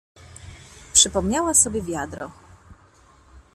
"Przypomniała sobie wiadro."